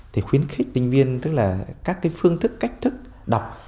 thì khuyến khích sinh viên tức là các cái phương thức cách thức đọc